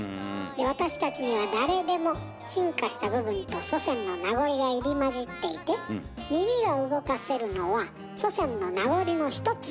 私たちには誰でも進化した部分と祖先の名残が入り交じっていて耳が動かせるのは祖先の名残の一つ。